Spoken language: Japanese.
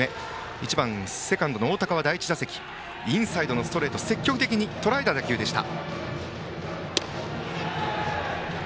１番セカンド、大高は第１打席でインサイドのストレートを積極的にとらえた打球でした。